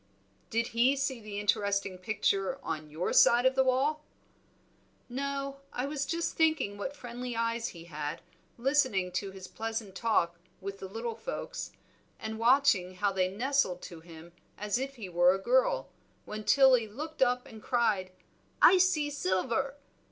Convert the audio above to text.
"Did he see the interesting picture on your side of the wall?" "No, I was just thinking what friendly eyes he had, listening to his pleasant talk with the little folks, and watching how they nestled to him as if he were a girl, when Tilly looked up and cried, 'I see Silver!'